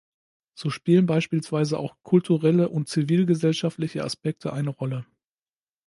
So spielen beispielsweise auch kulturelle und zivilgesellschaftliche Aspekte eine Rolle.